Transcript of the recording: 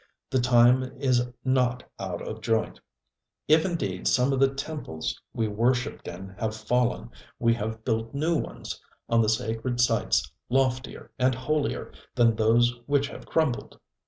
The time is not out of joint. If indeed some of the temples we worshipped in have fallen, we have built new ones on the sacred sites loftier and holier than those which have crumbled.